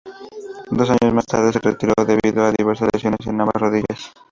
Dos años más tarde se retiró debido a diversas lesiones en ambas rodillas.